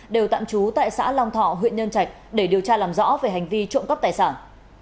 đều tạm trú tại xã long thọ huyện nhân trạch để điều tra làm rõ về hành vi trộm cắp tài sản